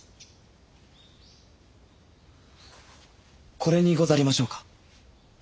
これにござりましょうか。